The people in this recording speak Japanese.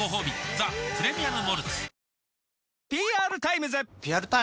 「ザ・プレミアム・モルツ」